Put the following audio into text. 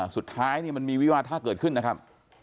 สุดท้ายมันมีวิวาท่าเกิดขึ้นนะครับ